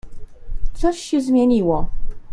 "Coś się zmieniło."